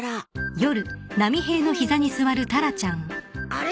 あれ？